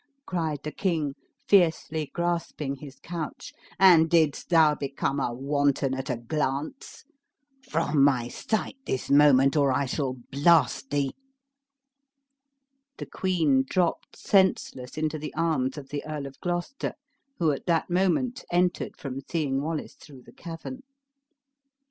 cried the king, fiercely grasping his couch; "and didst thou become a wanton at a glance? From my sight this moment, or I shall blast thee!" The queen dropped senseless into the arms of the Earl of Gloucester, who at that moment entered from seeing Wallace through the cavern.